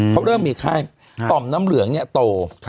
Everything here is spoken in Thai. เขาเริ่มมีไข้ต่อมน้ำเหลืองเนี่ยโต